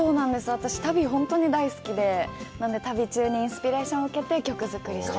私、旅が本当に大好きで、なので旅中にインスピレーションを受けて曲作りしたり。